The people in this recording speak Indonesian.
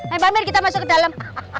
amir pak amir kita masuk ke dalam